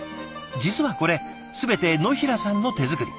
実はこれ全て野平さんの手作り。